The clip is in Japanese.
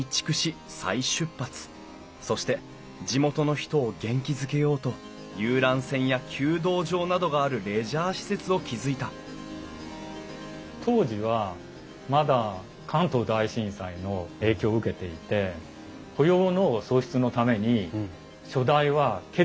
そして地元の人を元気づけようと遊覧船や弓道場などがあるレジャー施設を築いた当時はまだ関東大震災の影響を受けていて雇用の創出のために初代は決意したんだと思います。